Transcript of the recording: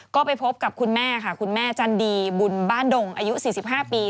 ก็ไปพบกับคุณแม่ค่ะคุณแม่จันดีบุญบ้านดงอายุ๔๕ปี